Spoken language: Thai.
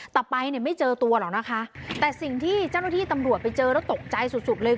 แต่ไปเนี่ยไม่เจอตัวหรอกนะคะแต่สิ่งที่เจ้าหน้าที่ตำรวจไปเจอแล้วตกใจสุดสุดเลย